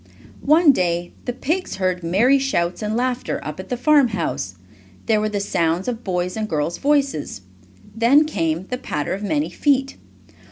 One day the pigs heard merry shouts and laughter up at the farmhouse. There were the sounds of boys' and girls' voices. Then came the patter of many feet.